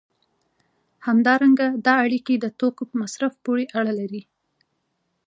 همدارنګه دا اړیکې د توکو په مصرف پورې اړه لري.